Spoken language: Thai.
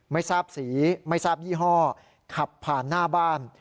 ไม่ทราบสีไม่ทราบยี่ห้อขับผ่านหน้าบ้าน